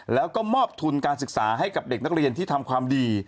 แล้วก็มอบทุนการศึกษาให้กับเด็กนักเรียนที่ทำความดี